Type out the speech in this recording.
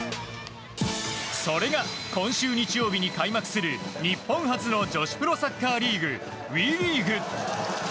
それが、今週日曜日に開幕する日本初の女子プロサッカーリーグＷＥリーグ。